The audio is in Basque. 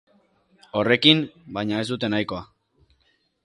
Horrekin, baina, ez dute nahikoa.